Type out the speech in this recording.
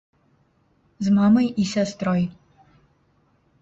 З мамай і сястрой.